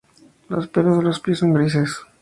Los pelos de los pies son grises.